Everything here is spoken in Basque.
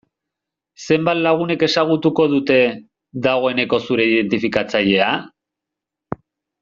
Zenbat lagunek ezagutuko dute, dagoeneko zure identifikatzailea?